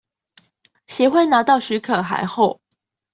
協會拿到許可函後